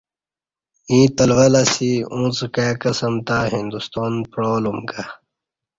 ییں تلول اسی اُݩڅ کائی قسم تہ ہندستان پعالُومہ کہ